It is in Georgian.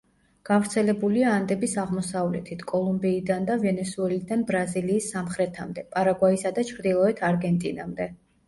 გავრცელებულია ანდების აღმოსავლეთით, კოლუმბიიდან და ვენესუელიდან ბრაზილიის სამხრეთამდე, პარაგვაისა და ჩრდილოეთ არგენტინამდე.